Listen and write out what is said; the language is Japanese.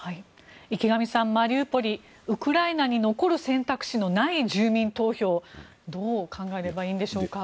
池上さん、マリウポリウクライナに残る選択肢のない住民投票どう考えればいいんでしょうか。